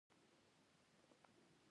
هغه خپل ماشوم ته کیسې وایې